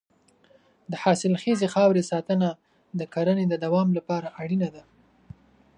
د حاصلخیزې خاورې ساتنه د کرنې د دوام لپاره اړینه ده.